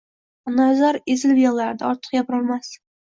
Onaizor ezilib yigʻlardi, ortiq gapirolmasdi.